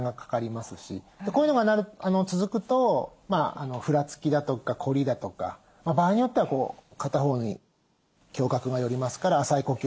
こういうのが続くとふらつきだとか凝りだとか場合によってはこう片方に胸郭が寄りますから浅い呼吸になりがちだとかですね。